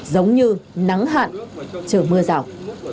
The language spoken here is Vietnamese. giống như nắng hạn chờ mưa rào